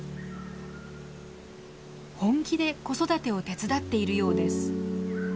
本気で子育てを手伝っているようです。